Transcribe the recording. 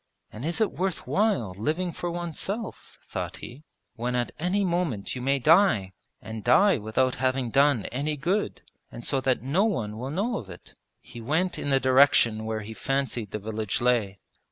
'And is it worth while living for oneself,' thought he, 'when at any moment you may die, and die without having done any good, and so that no one will know of it?' He went in the direction where he fancied the village lay.